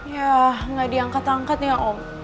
ya nggak diangkat angkat ya om